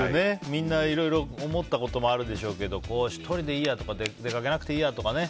みんないろいろ思ったこともあるでしょうけど１人でいいやとか出かけなくていいやとか。